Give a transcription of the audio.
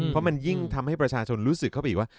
เพราะมันยิ่งทำให้ประชาชนรู้สึกเข้าไปอีกว่า